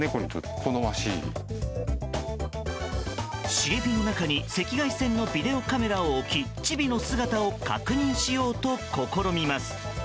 茂みの中に赤外線のビデオカメラを置きチビの姿を確認しようと試みます。